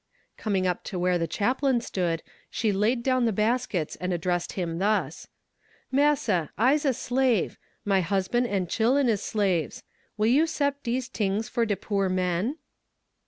Coming up to where the chaplain stood, she laid down the baskets and addressed him thus: "Massa, I'se a slave my husban' and chil'en is slaves. Will you 'cept dese tings for de poor men?"